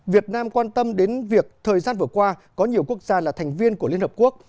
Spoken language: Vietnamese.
việt nam quan tâm đến việc thời gian vừa qua có nhiều quốc gia là thành viên của liên hợp quốc